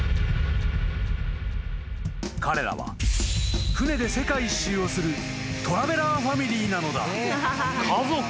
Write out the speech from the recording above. ［彼らは船で世界一周をするトラベラーファミリーなのだ］